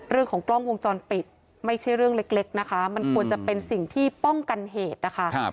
เรื่องของกล้องวงจรปิดไม่ใช่เรื่องเล็กนะคะมันควรจะเป็นสิ่งที่ป้องกันเหตุนะคะ